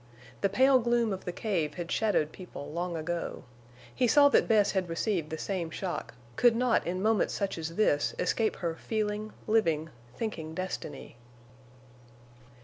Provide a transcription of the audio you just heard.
The pale gloom of the cave had shadowed people long ago. He saw that Bess had received the same shock—could not in moments such as this escape her feeling living, thinking destiny.